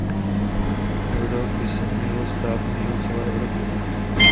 Euro by se mělo stát měnou celé Evropy.